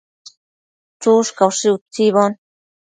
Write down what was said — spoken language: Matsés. Chushcaushi utsibo